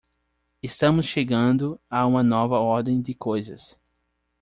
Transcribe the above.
Estamos chegando a uma nova ordem de coisas.